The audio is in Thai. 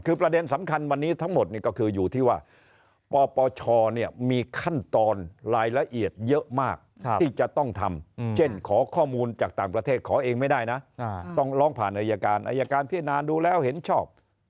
ขอเองไม่ได้นะอ่าต้องลองผ่านอัยการอัยการพี่นานดูแล้วเห็นชอบ